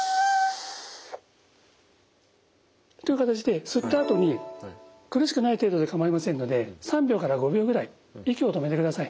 という形で吸ったあとに苦しくない程度で構いませんので３秒から５秒ぐらい息を止めてください。